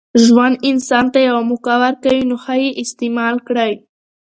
ژوند انسان ته یوه موکه ورکوي، نوښه ئې استعیمال کړئ!